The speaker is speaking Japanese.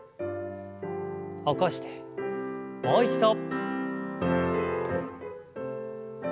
起こしてもう一度。